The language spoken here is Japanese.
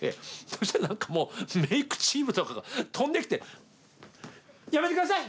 そしたら何かもうメークチームとかが飛んできて「やめてください！